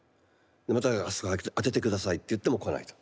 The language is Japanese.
またあそこ当てて下さいって言っても来ないと。